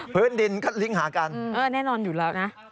พื้นดินก็ลิ้งหากันเออแน่นอนอยู่แล้วนะ